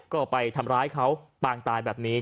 ก็ไปทำร้ายเขาปางตายแบบนี้